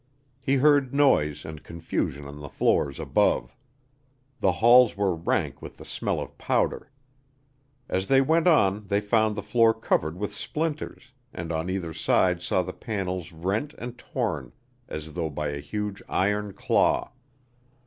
He heard noise and confusion on the floors above. The halls were rank with the smell of powder. As they went on they found the floor covered with splinters, and on either side saw the panels rent and torn as though by a huge iron claw.